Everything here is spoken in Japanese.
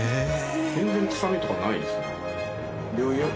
全然くさみとかないですね。